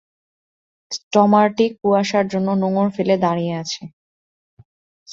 ষ্টমারটি কুয়াশার জন্য নোঙর ফেলে দাঁড়িয়ে আছে।